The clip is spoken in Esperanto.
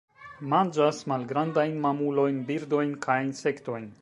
Manĝas malgrandajn mamulojn, birdojn kaj insektojn.